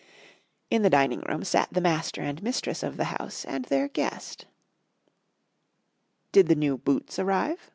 In the dining room sat the master and mistress of the house and their guest. "Did the new Boots arrive?"